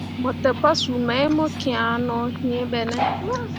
Mo te pasuu mai mo kian no yĩĩ ɓe ne.